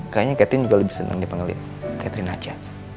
kayanya catherine juga lebih senang dipanggil catherine aja